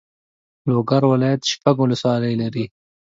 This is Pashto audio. لوګر ولایت شپږ والسوالۍ لري.